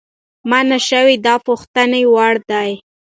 مانا شوی د پوښتنې وړدی،